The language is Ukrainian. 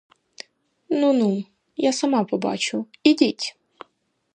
Ну, ну, я сама побачу, ідіть!